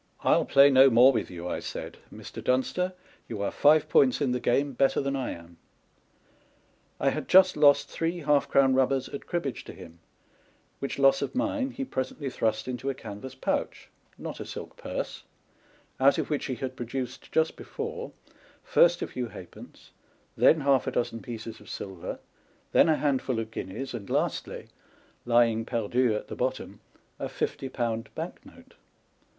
" I'll play no more with you," I said, "Mr. Dunster â€" you are five points in the game better than I am." I had just lost three half crown rubers at cribbage to him, which loss of mine he presently thrust into a canvas pouch (not #a silk purse) out of which he had produced just before, first a few half pence, then half a dozen pieces of silver, then a handful of guineas, and lastly, lying perdu at the bottom, a fifty pound bank note.